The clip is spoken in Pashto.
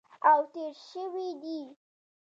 او تېر شوي دي